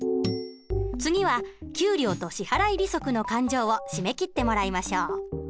次は給料と支払利息の勘定を締め切ってもらいましょう。